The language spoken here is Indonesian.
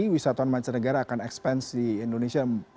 itu bisa tahan mancanegara akan ekspansi indonesia